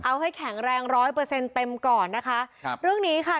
เอาให้แข็งแรงร้อยเปอร์เซ็นต์เต็มก่อนนะคะครับเรื่องนี้ค่ะ